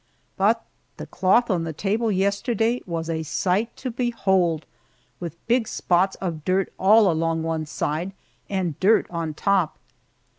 But the cloth on the table yesterday was a sight to behold, with big spots of dirt all along one side and dirt on top.